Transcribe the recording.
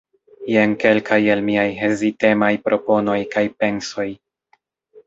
Jen kelkaj el miaj hezitemaj proponoj kaj pensoj.